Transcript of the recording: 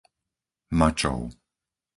Mačov